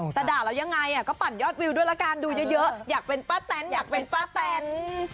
แต่ด่าแล้วยังไงก็ปั่นยอดวิวด้วยละกันดูเยอะอยากเป็นป้าแตนอยากเป็นป้าแตน